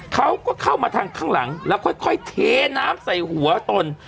เขาก็เข้ามาทางข้างหลังแล้วค่อยเทน้ำใส่หัวตน